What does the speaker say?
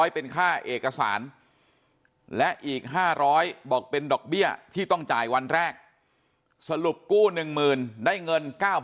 เป็นค่าเอกสารและอีก๕๐๐บอกเป็นดอกเบี้ยที่ต้องจ่ายวันแรกสรุปกู้๑๐๐๐ได้เงิน๙๐๐